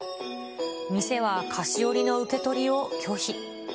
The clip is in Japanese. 店は菓子折の受け取りを拒否。